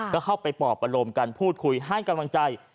ก็เข้าไปปอบอารมณ์กันพูดคุยให้กำลังใจ